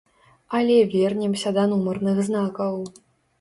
Але вернемся да нумарных знакаў.